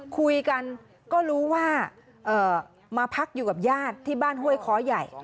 คุยกันก็รู้ว่ามาพักอยู่กับญาติที่บ้านห้วยคอใหญ่